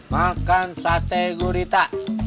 makan sate gurita